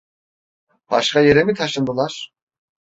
Başka yere mi taşındılar!